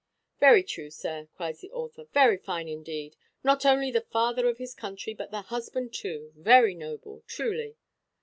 "Very true, sir," cries the author; "very fine, indeed. Not only the father of his country, but the husband too; very noble, truly!"